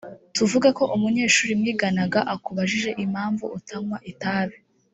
tuvuge ko umunyeshuri mwigana akubajije impamvu utanywa itabi